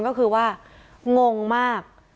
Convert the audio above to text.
ก็คือว่างงมาก